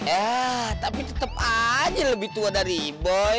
eh tapi tetap aja lebih tua dari boy